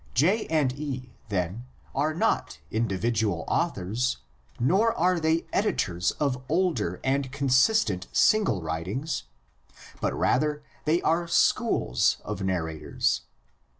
J and E, then, are not individual authors, nor are they edi tors of older and consistent single writings, but rather they are schools of narrators.